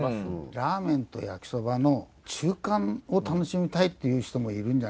ラーメンと焼きそばの中間を楽しみたいっていう人もいるんじゃ。